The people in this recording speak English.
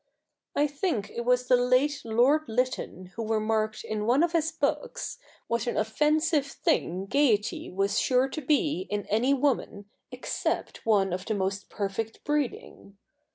I think it was the late Lord Lytton who remarked in one of his books, what an offensive thing gaiety was sure to be in any woman except one of the most perfect breeding.